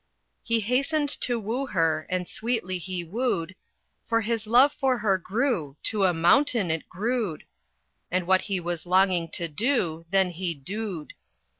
He hastened to woo her, and sweetly he wooed, For his love for her grew to a mountain it grewed, And what he was longing to do, then he doed.